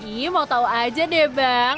ini mau tahu aja deh bang